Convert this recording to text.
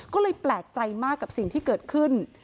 ก็เลยแปลกใจมากกับสิ่งที่เกิดขึ้น